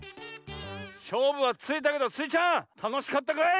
しょうぶはついたけどスイちゃんたのしかったかい？